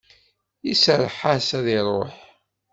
Iserreḥ-as ad iruḥ.